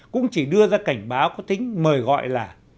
cũng chỉ đưa ra cảnh báo có tính mời gọi là